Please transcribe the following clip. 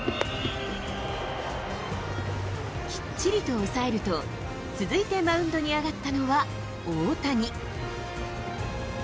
きっちりと抑えると、続いてマウンドに上がったのは大谷。